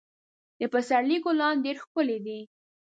د پسرلي ګلان ډېر ښکلي دي.